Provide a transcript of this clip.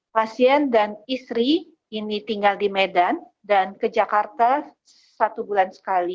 pasien dan istri ini tinggal di medan dan ke jakarta satu bulan sekali